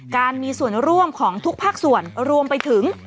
การมีส่วนร่วมของทุกภาคส่วนรวมไปถึง